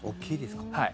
はい。